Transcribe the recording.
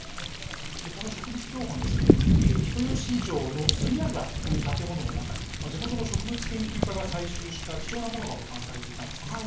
この植物標本ですね、人吉城の角櫓という建物の中に、地元の植物研究家が採集した貴重なものが保管されていたんですね。